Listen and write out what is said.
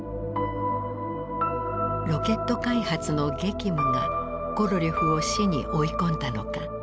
ロケット開発の激務がコロリョフを死に追い込んだのか。